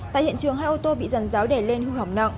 tại hiện trường hai ô tô bị giàn giáo đè lên hư hỏng nặng